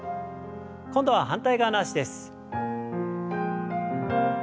今度は反対側の脚です。